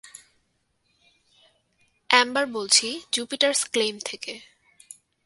Amber বলছি, Jupiter's claim থেকে।